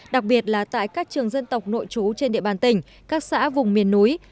đặc biệt là tại các trường dân tộc nội trú trên địa bàn tỉnh các xã vùng miền núi